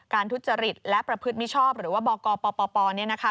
ทุจริตและประพฤติมิชชอบหรือว่าบกปปเนี่ยนะคะ